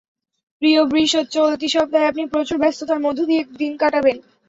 প্রিয় বৃষ, চলতি সপ্তাহে আপনি প্রচুর ব্যস্ততার মধ্য দিয়ে দিন কাটাবেন।